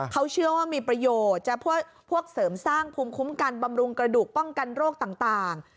เขาเชื่อว่ามีประโยชน์จะพวกเสริมสร้างภูมิคุ้มกันบำรุงกระดูกป้องกันโรคต่าง